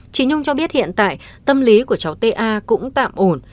chị nhung cho biết hiện tại tâm lý của cháu t a cũng tạm ổn